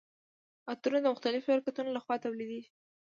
عطرونه د مختلفو شرکتونو لخوا تولیدیږي.